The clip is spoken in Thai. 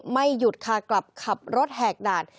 ไม่หยุดค่ะกลับขับรถแหกด่าน